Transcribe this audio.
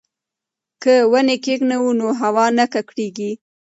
که ونې کښېنوو نو هوا نه ککړیږي.